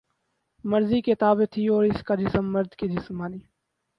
مرضی کے تابع تھی اور اس کا جسم مرد کے جسمانی